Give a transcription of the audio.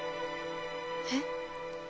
えっ？